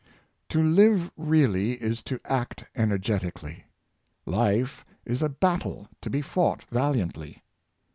To live really is to act energetically. Life is a bat tle to be fought valiantly.